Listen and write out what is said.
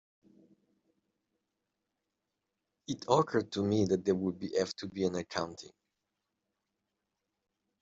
It occurred to me that there would have to be an accounting.